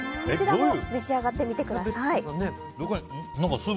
こちらも召し上がってみてください。